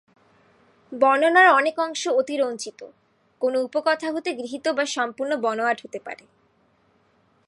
বর্ণনার অনেক অংশ অতিরঞ্জিত, কোনো উপকথা হতে গৃহীত বা সম্পূর্ণ বানোয়াট হতে পারে।